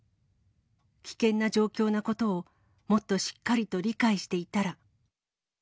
危険な状況なことをもっとしっかりと理解していたら。